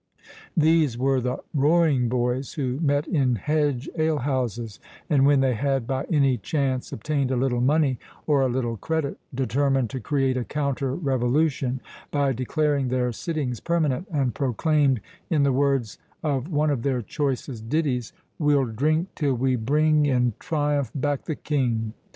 These were the "roaring boys" who met in hedge alehouses, and when they had by any chance obtained a little money or a little credit, determined to create a counter revolution by declaring their sittings permanent, and proclaimed, in the words of one of their choicest ditties,— "We'll drink till we bring In triumph back the king."